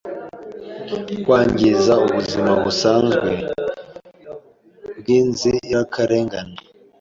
Kwangiza ubuzima busanzwe bwinzirakarengane